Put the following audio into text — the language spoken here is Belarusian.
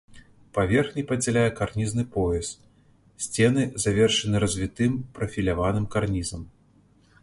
Паверхі падзяляе карнізны пояс, сцены завершаны развітым прафіляваным карнізам.